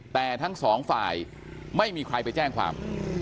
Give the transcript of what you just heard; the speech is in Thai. แต่ทั้งสองฝ่ายไม่มีใครไปแจ้งความ